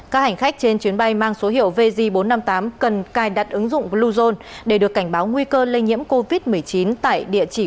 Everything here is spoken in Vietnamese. các hành khách trên chuyến bay